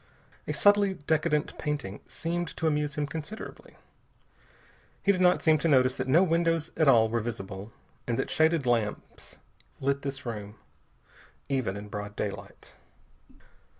A subtly decadent painting seemed to amuse him considerably. He did not seem to notice that no windows at all were visible, and that shaded lamps lit this room, even in broad daylight.